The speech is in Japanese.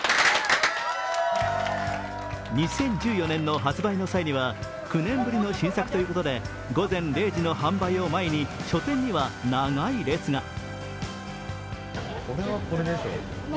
２０１４年の発売の際には９年ぶりの新作ということで午前０時の販売の前に書店には長い列が。